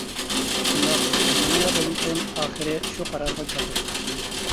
— شۇنداق، نېمىلا بولمىسۇن ئاخىرى شۇ قارارغا كەلدۇق.